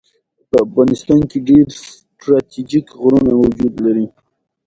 دښتې د افغانستان د زرغونتیا نښه ده.